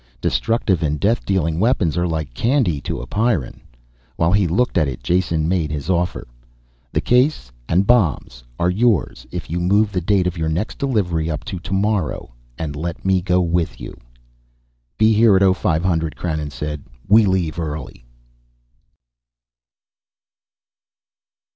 Destructive and death dealing weapons are like candy to a Pyrran. While he looked at it Jason made his offer. "The case and bombs are yours if you move the date of your next delivery up to tomorrow and let me go with you." "Be here at 0500," Krannon said. "We leave early."